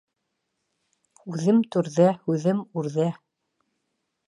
Үҙем түрҙә, һүҙем үрҙә.